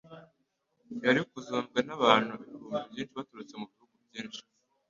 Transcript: yari kuzumvwa n'abantu ibihumbi byinshi baturutse mu bihugu byinshi.